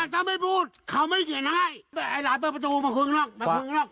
ถ้าไม่พูดเขาไม่เขียนให้ไอ้หลานเปิดประตูมาคุยข้างนอกมาคุยข้างนอก